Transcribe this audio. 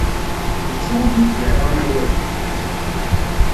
Yettu ur yi-d-yerra amawal-iw.